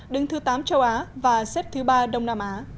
đứng thứ tám châu á và xếp thứ ba đông nam á